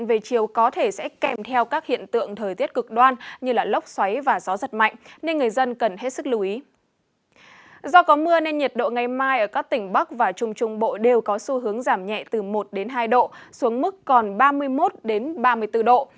do có mưa nên nhiệt độ ngày mai ở các tỉnh bắc và trung trung bộ đều có xu hướng giảm nhẹ từ một hai độ xuống mức còn ba mươi một ba mươi bốn độ